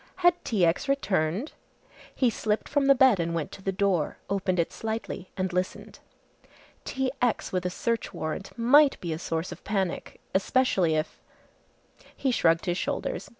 Had T. X. returned! He slipped from the bed and went to the door, opened it slightly and listened. T. X. with a search warrant might be a source of panic especially if he shrugged his shoulders.